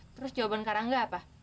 terus jawaban kak rangga apa